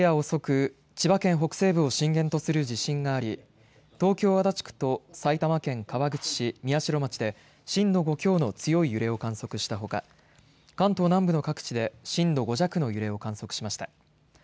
昨夜遅く千葉県北西部を震源とする地震があり東京、足立区と埼玉県川口市宮代町で震度５強の強い揺れを観測したほか関東南部の各地で震度５弱の揺れを観測しました。